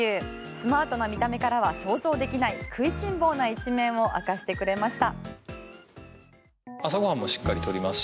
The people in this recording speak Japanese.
スマートな見た目からは想像できない食いしん坊な一面を明かしてくれました。